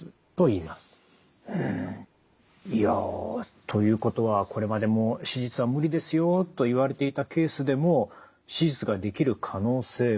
いやということはこれまでもう手術は無理ですよと言われていたケースでも手術ができる可能性もある。